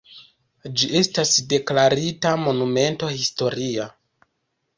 Ĝi estas deklarita monumento historia.